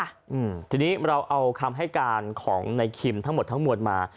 อืมทีนี้เราเอาคำให้การของในคิมทั้งหมดทั้งมวลมา